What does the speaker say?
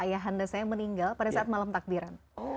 ayah handa saya meninggal pada saat malam takbiran